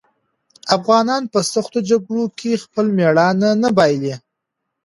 افغانان په سختو جګړو کې خپل مېړانه نه بايلي.